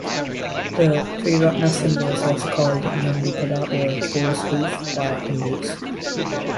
The triratna symbol is also called "nandipada", or "bull's hoof", by Hindus.